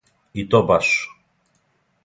И то баш.